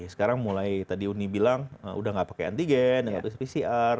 sekarang mulai tadi uni bilang udah nggak pakai antigen nggak pakai pcr